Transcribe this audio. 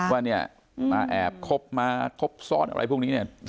ว่าเนี่ยมาแอบคบมาครบซ่อนอะไรพวกนี้เนี่ย